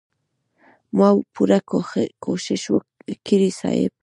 ما پوره کوشش کړی صيب.